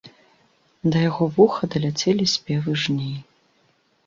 Да яго вуха даляцелі спевы жней.